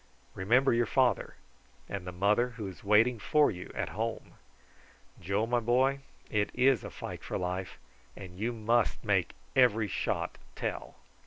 Remember your father, and the mother who is waiting for you at home. Joe, my boy, it is a fight for life, and you must make every shot tell."